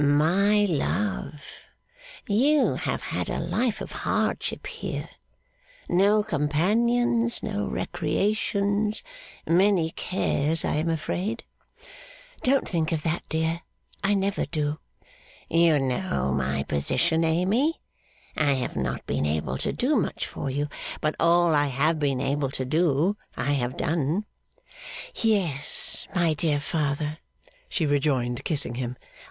'My love, you have had a life of hardship here. No companions, no recreations, many cares I am afraid?' 'Don't think of that, dear. I never do.' 'You know my position, Amy. I have not been able to do much for you; but all I have been able to do, I have done.' 'Yes, my dear father,' she rejoined, kissing him.